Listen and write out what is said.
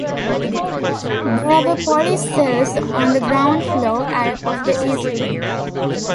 There were police cells on the ground floor of the east wing.